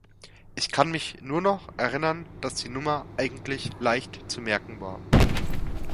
Ich kann mich nur noch erinnern, dass die Nummer eigentlich leicht zu merken war.